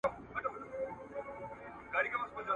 دلته له ورځي سره لمر لکه شېبه ځلیږي ,